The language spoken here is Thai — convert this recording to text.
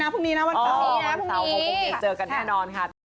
พรุ่งนี้นะวันเสาร์๖โมงเก็นเจอกันแน่นอนค่ะ